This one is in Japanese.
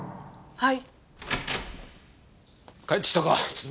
はい。